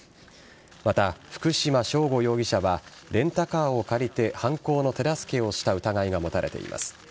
また、福島聖悟容疑者はレンタカーを借りて犯行の手助けをした疑いが持たれています。